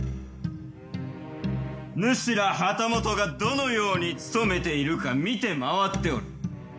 ぬしら旗本がどのように勤めているか見て回っておる。